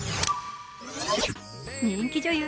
人気女優